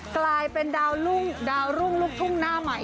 กลายเป็นดาวลุ่งลุกทุ่งหน้าใหม่